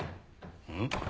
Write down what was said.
うん？